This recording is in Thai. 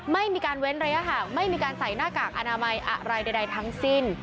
ไม่มีการเว้นระยะห่างไม่มีการใส่หน้ากากอนามัยอะไรใดทั้งสิ้น